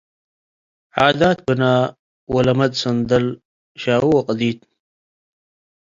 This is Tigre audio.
ዓዳት ብነ ወለመድ ሰንደል፡ ሻዊ ወቅዲት